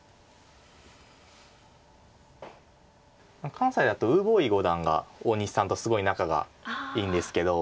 関西だと呉柏毅五段が大西さんとすごい仲がいいんですけど。